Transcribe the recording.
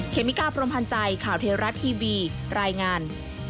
เมกาพรมพันธ์ใจข่าวเทวรัฐทีวีรายงาน